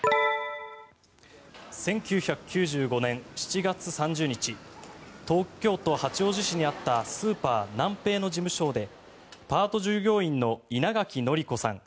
１９９５年７月３０日東京都八王子市にあったスーパーナンペイの事務所でパート従業員の稲垣則子さん